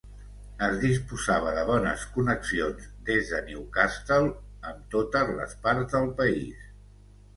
Es disposava de bones connexions des de Newcastle amb totes les parts del país.